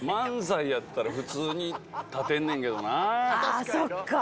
あそっか！